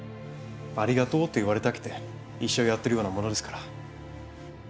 「ありがとう」と言われたくて医者をやっているようなものですから。